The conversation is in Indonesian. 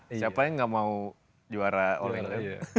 siapa yang gak mau juara all england